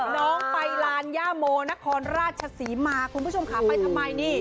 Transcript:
น้องไปลานย่าโมนครราชศรีมาคุณผู้ชมค่ะไปทำไมนี่